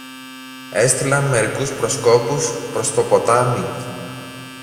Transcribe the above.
Έστειλαν μερικούς προσκόπους προς το ποτάμι